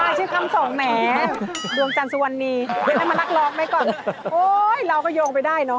เออชื่อกำสงข์ไหน